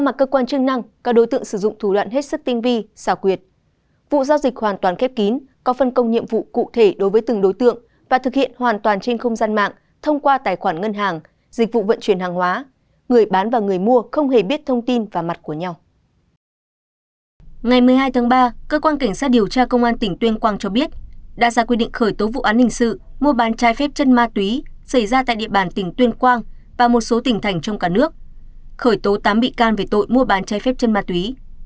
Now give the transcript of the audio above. một mươi hai tháng ba cơ quan cảnh sát điều tra công an tỉnh tuyên quang cho biết đa gia quy định khởi tố vụ án hình sự mua bán chai phép chân ma túy xảy ra tại địa bàn tỉnh tuyên quang và một số tỉnh thành trong cả nước khởi tố tám bị can về tội mua bán chai phép chân ma túy